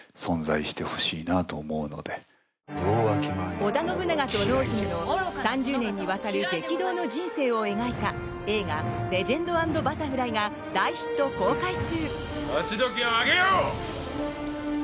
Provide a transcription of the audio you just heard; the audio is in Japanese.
織田信長と濃姫の３０年にわたる激動の人生を描いた映画「レジェンド＆バタフライ」が大ヒット公開中！